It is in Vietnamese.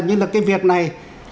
như là cái việc này